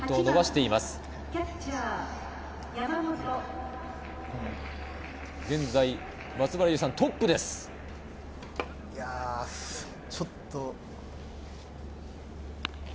いやぁ、ちょっと。